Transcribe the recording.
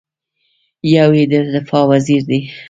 یو یې د دفاع وزیر دی.